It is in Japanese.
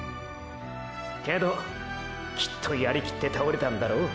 けどきっとやりきって倒れたんだろ。